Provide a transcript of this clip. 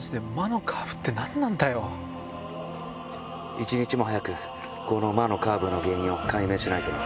一日も早くこの魔のカーブの原因を解明しないとな。